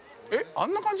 あんな感じ？